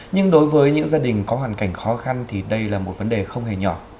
nhưng đối với những gia đình có hoàn cảnh khó khăn thì đây là một vấn đề không hề nhỏ